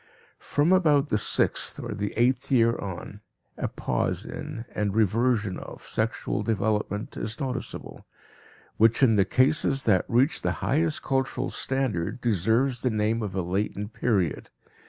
From about the sixth or the eighth year on a pause in, and reversion of, sexual development is noticeable, which in the cases that reach the highest cultural standard deserves the name of a latent period.